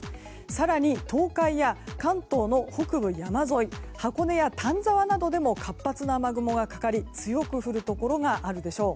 更に、東海や関東の北部山沿い箱根や丹沢などでも活発な雨雲がかかり強く降るところがあるでしょう。